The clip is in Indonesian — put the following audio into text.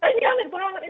ini aneh banget ini